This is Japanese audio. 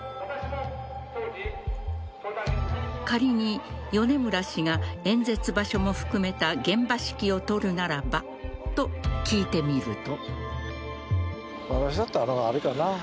仮に米村氏が演説場所も含めた現場指揮を執るならばと聞いてみると。